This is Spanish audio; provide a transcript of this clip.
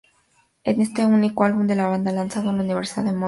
Este es el único álbum de la banda lanzado en Universal Motown.